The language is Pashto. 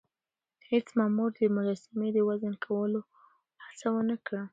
هیڅ مامور د مجسمې د وزن کولو هڅه ونه کړه.